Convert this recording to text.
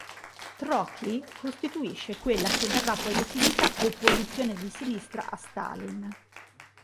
Trockij costituisce quella che verrà poi definita "opposizione di sinistra" a Stalin.